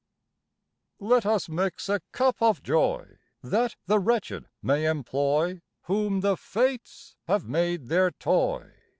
Let us mix a cup of Joy That the wretched may employ, Whom the Fates have made their toy.